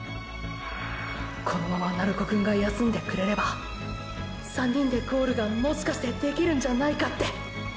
このまま鳴子くんが休んでくれれば３人でゴールがもしかしてできるんじゃないかって。